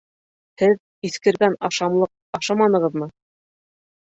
Һеҙ иҫкергән ашамлыҡ ашаманығыҙмы?